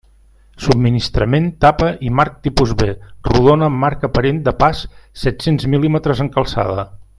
Subministrament tapa i marc Tipus B rodona amb marc aparent de pas set-cents mil·límetres en calçada.